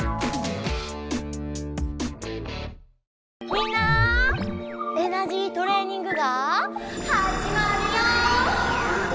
みんな「エナジートレーニング」がはじまるよ！